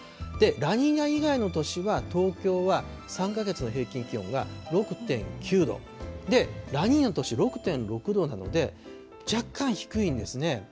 ラニーニャ以外の年は東京は３か月の平均気温が６．９度、ラニーニャの年、６．６度なので、若干低いんですね。